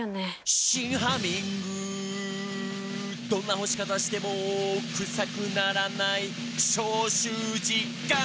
「どんな干し方してもクサくならない」「消臭実感！」